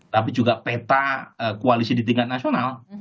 tapi juga peta koalisi di tingkat nasional